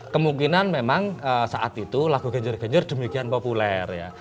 kemungkinan memang saat itu lagu genjer genjer demikian populer ya